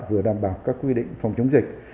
và đảm bảo các quy định phòng chống dịch